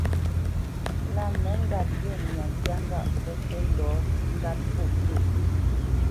Lâ nə ŋgât ghê myǎ ntyá ŋgâʼ pə́ tə́ ndɔ̌ ŋgât mfó pə.